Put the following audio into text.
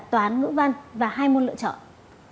toán ngữ văn và hai môn lựa chọn